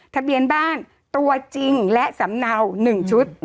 ทะเบียนบ้านตัวจริงและสำเนาหนึ่งชุดอืม